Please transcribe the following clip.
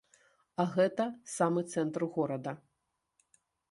А гэта самы цэнтр горада!